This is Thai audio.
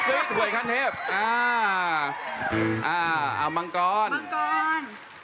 เอ้ามังกอร์ล